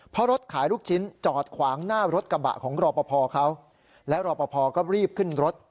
เพราะรถขายลูกชิ้นจอดขวางหน้ารถกระบะของรอปภเขาและรอปภก็รีบขึ้นรถ